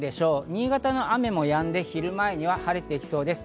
新潟の雨もやんで、昼前には晴れてきそうです。